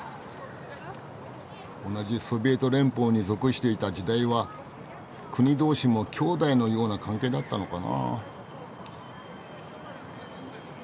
同じソビエト連邦に属していた時代は国同士も兄弟のような関係だったのかな。